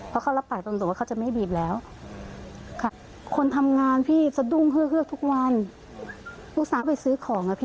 เพราะว่าหนูมีกล้องวงจรปิดหนูมีรอบบ้านเลย